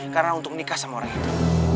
karena untuk nikah sama orang itu